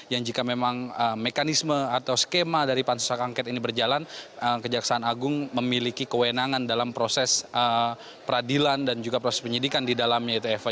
yang jika memang mekanisme atau skema dari pansus hak angket ini berjalan kejaksaan agung memiliki kewenangan dalam proses peradilan dan juga proses penyidikan di dalamnya itu eva